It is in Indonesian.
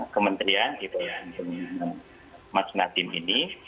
kementerian mbak naim ini